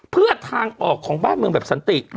เพื่อทางออกของบ้านเมืองแบบสันติ